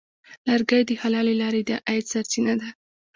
لرګی د حلالې لارې د عاید سرچینه ده.